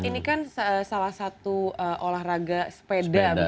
ini kan salah satu olahraga sepeda